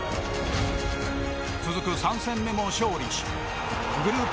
続く３戦目も勝利しグループ